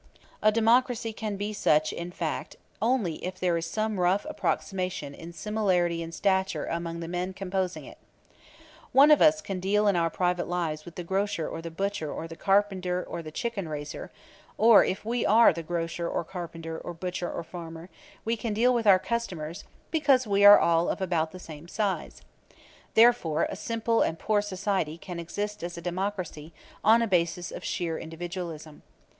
A democracy can be such in fact only if there is some rough approximation in similarity in stature among the men composing it. One of us can deal in our private lives with the grocer or the butcher or the carpenter or the chicken raiser, or if we are the grocer or carpenter or butcher or farmer, we can deal with our customers, because we are all of about the same size. Therefore a simple and poor society can exist as a democracy on a basis of sheer individualism.